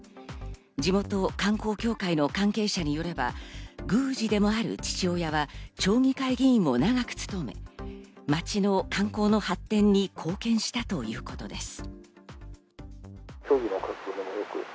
地元観光協会の関係者によれば宮司でもある父親は町議会議員も長く勤め、町の観光の発展に貢献したということです。